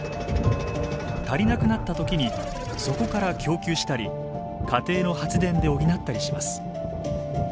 足りなくなった時にそこから供給したり家庭の発電で補ったりします。